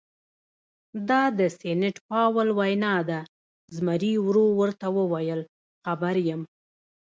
دا د سینټ پاول وینا ده، زمري ورو ورته وویل: خبر یم.